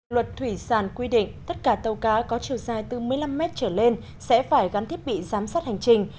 luật thủy sản quy định tất cả tàu cá có chiều dài bốn mươi năm m trở lên sẽ phải gắn thiết bị giám sát hành trình